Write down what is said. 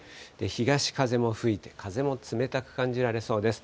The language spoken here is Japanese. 東風も吹いて、風も冷たく感じられそうです。